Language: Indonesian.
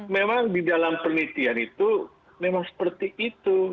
memang di dalam penelitian itu memang seperti itu